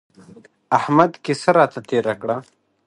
احمد کيسه راته تېره کړه.